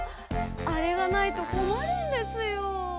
あれがないとこまるんですよ。